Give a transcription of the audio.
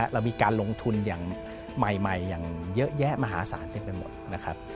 เรามีการลงทุนใหม่อย่างเยอะแยะมหาศาลทั้งหมด